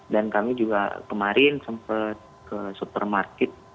dan kami juga kemarin sempat ke supermarket